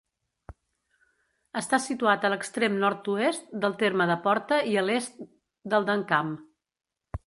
Està situat a l'extrem nord-oest del terme de Porta i a l'est del d'Encamp.